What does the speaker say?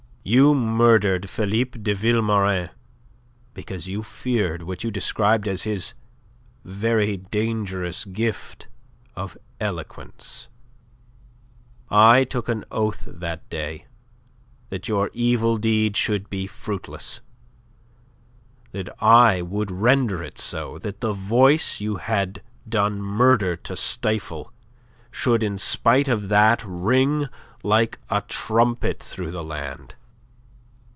"You murdered Philippe de Vilmorin because you feared what you described as his very dangerous gift of eloquence, I took an oath that day that your evil deed should be fruitless; that I would render it so; that the voice you had done murder to stifle should in spite of that ring like a trumpet through the land.